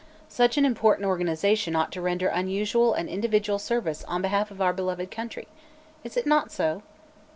Such an important organization ought to render unusual and individual service on behalf of our beloved country. Is it not so?"